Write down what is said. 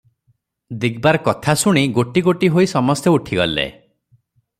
ଦିଗବାର କଥା ଶୁଣି ଗୋଟି ଗୋଟି ହୋଇ ସମସ୍ତେ ଉଠିଗଲେ ।